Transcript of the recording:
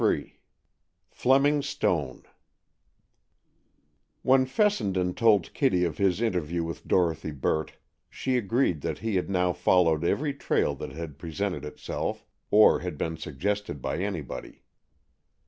XXIII FLEMING STONE When Fessenden told Kitty of his interview with Dorothy Burt, she agreed that he had now followed every trail that had presented itself, or had been suggested by anybody.